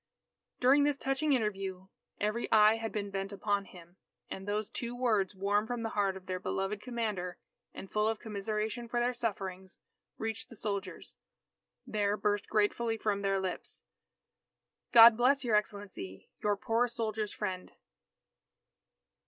During this touching interview, every eye had been bent upon him; and as those two words warm from the heart of their beloved commander and full of commiseration for their sufferings, reached the soldiers, there burst gratefully from their lips: "God bless your Excellency, your poor soldiers' friend!"